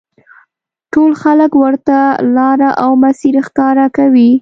ټول خلک ورته لاره او مسیر ښکاره کوي.